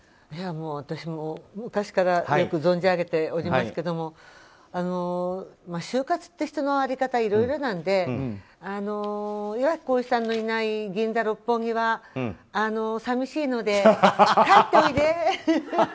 私も、昔からよく存じ上げておりますけれども終活って人の終わり方っていろいろなので岩城滉一さんのいない銀座、六本木は寂しいので、帰っておいで！